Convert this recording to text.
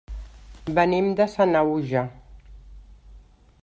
Venim de Sanaüja.